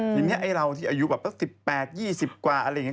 ทีนี้ไอ้เราที่อายุแบบสัก๑๘๒๐กว่าอะไรอย่างนี้